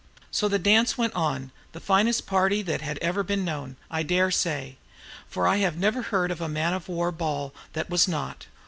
So the dance went on, the finest party that had ever been known, I dare say; for I never heard of a man of war ball that was not.